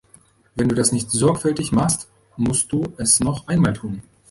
Wenn du das nicht sorgfältig machst, musst du es noch einmal tun.